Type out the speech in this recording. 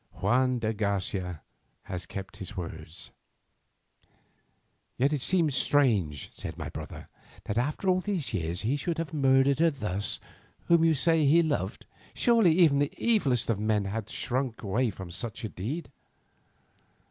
Juan de Garcia has kept his word." "Yet it seems strange," said my brother, "that after all these years he should have murdered her thus, whom you say he loved. Surely even the evilest of men had shrunk from such a deed!"